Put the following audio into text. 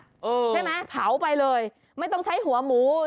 ใช่ไหมเผาไปเลยไม่ต้องใช้หัวหมู